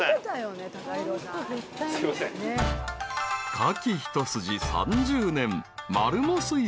［カキ一筋３０年］